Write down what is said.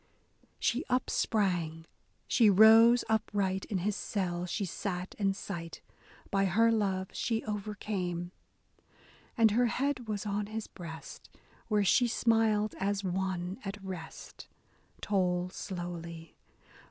She upsprang, she rose upright, — in his selle she sate in sight, By her love she overcame, And her head was on his breast, where she smiled as one at rest, — Toll slowly.